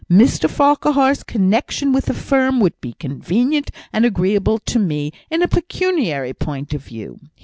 Mr Farquhar's connexion with the firm would be convenient and agreeable to me in a pecuniary point of view.